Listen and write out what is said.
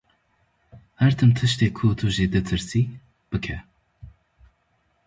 Her tim tiştê ku tu jê ditirsî, bike.